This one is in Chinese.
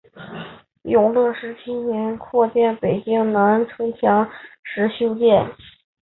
永乐十七年扩建北京南城墙时修建。